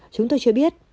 chúng tôi chưa biết